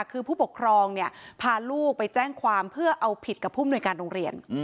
คือผู้ปกครองเนี่ยพาลูกไปแจ้งความเพื่อเอาผิดกับผู้มนุยการโรงเรียน